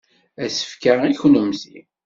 Asefk-a i kennemti.